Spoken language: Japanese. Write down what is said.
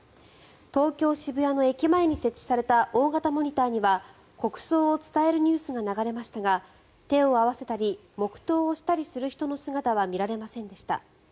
東京・渋谷の駅前に設置された大型モニターには国葬を伝えるニュースが流れましたが手を合わせたり黙祷をする人の姿は見られませんでした。